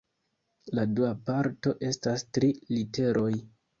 La dua parto estas tri literoj.